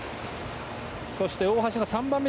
そして、大橋は３番目。